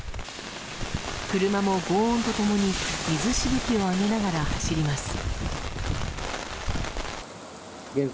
車も轟音と共に水しぶきを上げながら走ります。